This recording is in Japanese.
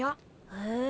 へえ。